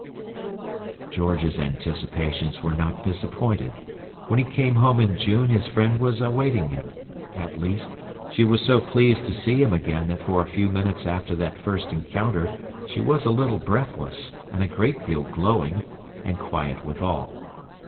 George's anticipations were not disappointed. When he came home in June his friend was awaiting him; at least, she was so pleased to see him again that for a few minutes after their first encounter she was a little breathless, and a great deal glowing, and quiet withal.